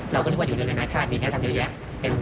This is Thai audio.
เราก็นึกว่าอยู่ในร้านแล้วหน้าชาตินี้นี่นั้นเขาทำที่เรียก